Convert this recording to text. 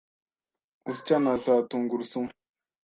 Usya na za tungurusumu